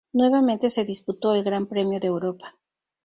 Nuevamente se disputó el Gran Premio de Europa.